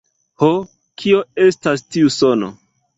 Ho, kio estas tiu sono?